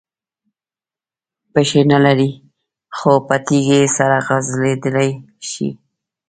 پښې نه لري خو په تېزۍ سره ځغلېدلای شي.